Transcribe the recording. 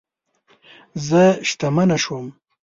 زه شتمنه شوم